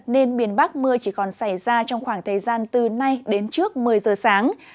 nên miền bắc mưa chỉ còn xảy ra trong khoảng thời gian từ nay đến trước một mươi giờ sáng